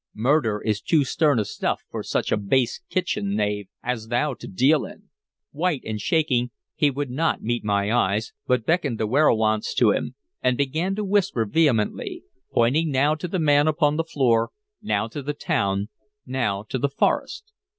Murder is too stern a stuff for such a base kitchen knave as thou to deal in." White and shaking, he would not meet my eyes, but beckoned the werowance to him, and began to whisper vehemently; pointing now to the man upon the floor, now to the town, now to the forest.